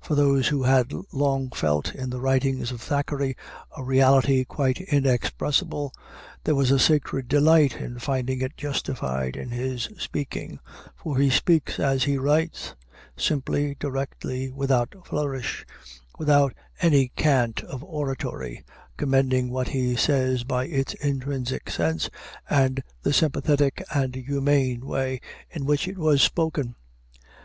For those who had long felt in the writings of Thackeray a reality quite inexpressible, there was a secret delight in finding it justified in his speaking; for he speaks as he writes simply, directly, without flourish, without any cant of oratory, commending what he says by its intrinsic sense, and the sympathetic and humane way in which it was spoken.